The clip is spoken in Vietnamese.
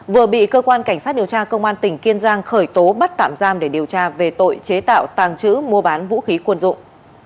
vừa bị cơ quan cảnh sát điều tra công an tỉnh kiên giang khởi tố bắt tạm giam để điều tra về tội chế tạo tàng trữ mua bán vũ khí quân dụng